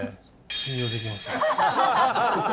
信用できません。